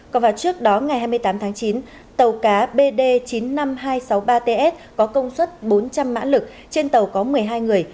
còn vào trước đó ngày hai mươi tám tháng chín tàu cá bd chín mươi năm nghìn hai trăm sáu mươi ba ts có công suất bốn trăm linh mã lực trên tàu có một mươi hai người